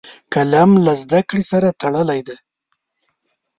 قلم له زده کړې سره تړلی دی